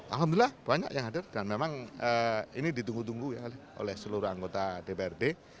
alhamdulillah banyak yang hadir dan memang ini ditunggu tunggu oleh seluruh anggota dprd